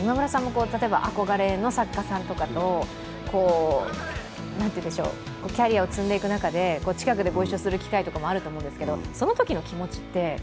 今村さんも例えば憧れの作家さんとかとキャリアを積んでいく中で近くでご一緒する機会もあると思うんですけど、そのときの気持ちって。